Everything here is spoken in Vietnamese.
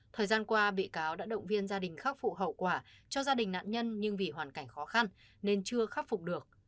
thời gian qua bị cáo đã động viên gia đình khắc phục hậu quả cho gia đình nạn nhân nhưng vì hoàn cảnh khó khăn nên chưa khắc phục được